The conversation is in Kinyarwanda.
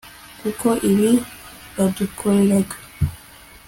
kuko ibibi badukoreraga